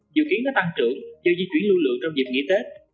dự kiến nó tăng trưởng do di chuyển lưu lượng trong dịp nghỉ tết